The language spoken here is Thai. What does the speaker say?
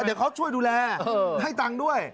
เดี๋ยวเขาช่วยดูแลให้ตังค์ด้วย